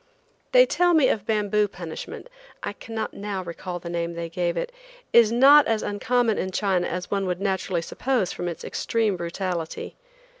They tell me bamboo punishment (I cannot now recall the name they gave it) is not as uncommon in China as one would naturally suppose from its extreme brutality.